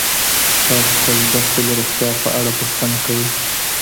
تاسي تل د خپلي روغتیا په اړه پوښتنه کوئ.